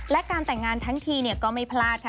และการแต่งงานทั้งทีก็ไม่พลาดค่ะ